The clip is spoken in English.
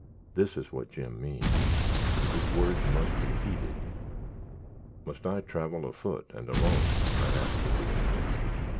This is what Jim means, and his words must be heeded." "Must I travel afoot and alone?" I asked of the Indian.